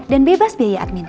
dan bebas biaya admin